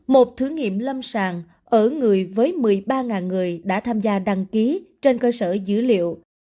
một thử nghiệm lâm sàng ở người với một mươi ba người đã tham gia đăng ký trên cơ sở dữ liệu